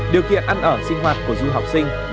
điều kiện ăn ở sinh hoạt của du học sinh